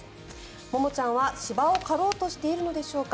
ももちゃんは芝を刈ろうとしているのでしょうか。